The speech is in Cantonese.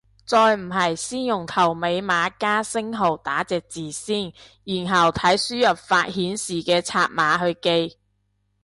再唔係先用頭尾碼加星號打隻字先，然後睇輸入法顯示嘅拆碼去記